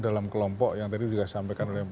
dalam kelompok yang tadi juga disampaikan oleh